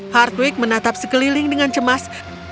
hardwig menatap sekeliling dengan cemas